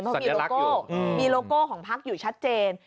เพราะมีโลโก้มีโลโก้ของพักอยู่ชัดเจน